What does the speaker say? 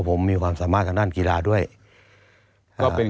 ครูหมีเป็นครูอยู่ที่จังหวัดชายภูมินะครับ